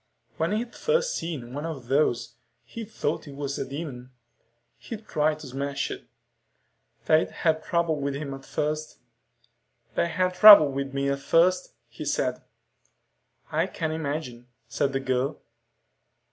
When he'd first seen one of those, he'd thought it was a demon. He'd tried to smash it. They'd had trouble with him at first. "They had trouble with me at first," he said. "I can imagine," said the girl.